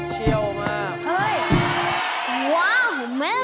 สู้หารีซ่า